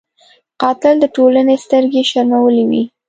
قاتل د ټولنې سترګې شرمولی وي